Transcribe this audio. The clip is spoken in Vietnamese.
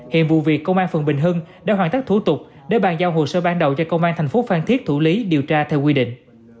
hiện vụ việc công an phường bình hưng đã hoàn tất thủ tục để bàn giao hồ sơ ban đầu cho công an thành phố phan thiết thủ lý điều tra theo quy định